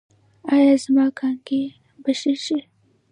ایا زما کانګې به ښې شي؟